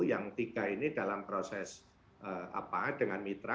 yang tiga ini dalam proses dengan mitra